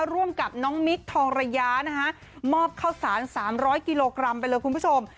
ร่วมกับน้องมิคทองระยะนะคะมอบข้าวสาร๓๐๐กิโลกรัมไปเลยคุณผู้ชม